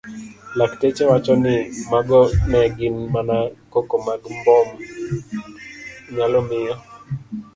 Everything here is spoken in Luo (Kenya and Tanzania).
Lakteche wacho ni mago ne gin mana koko mag mbom nyalo miyo